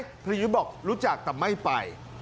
พระยุทธ์บอกรู้จักแต่ไม่ไป